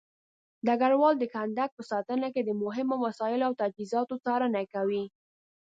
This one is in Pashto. ډګروال د کندک په ساتنه کې د مهمو وسایلو او تجهيزاتو څارنه کوي.